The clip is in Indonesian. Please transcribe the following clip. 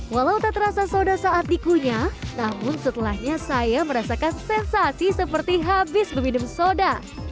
walau tak terasa soda saat dikunyah namun setelahnya saya merasakan sensasi seperti habis meminum soda